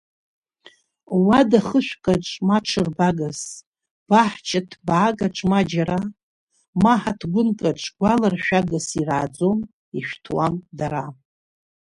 Уада хышәкаҿ ма ҽырбагас, баҳча ҭбаакаҿ ма џьара, ма хаҭгәынкаҿ гәаларшәагас ирааӡом, ишәҭуам дара.